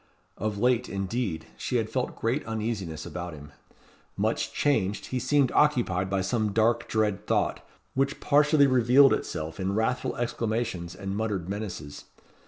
Of late, indeed, she had felt great uneasiness about him. Much changed, he seemed occupied by some dark, dread thought, which partially revealed itself in wrathful exclamations and muttered menaces.